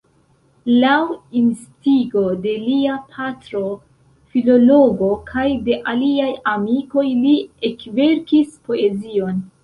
Laŭ instigo de lia patro, filologo, kaj de aliaj amikoj, li ekverkis poezion.